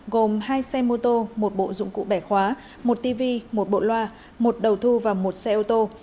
gồm hai xe mô tô một bộ dụng cụ bẻ khóa một tv một bộ loa một đầu thu và một xe ô tô